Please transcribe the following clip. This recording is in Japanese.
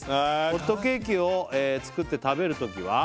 「ホットケーキを作って食べるときは」